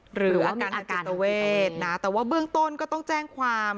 หรืออาการทางจิตเวทนะแต่ว่าเบื้องต้นก็ต้องแจ้งความ